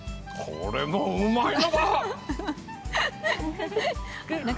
これもうまい！